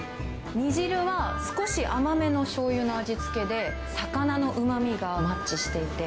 煮汁は、少し甘めのしょうゆの味付けで、魚のうまみがマッチしていて、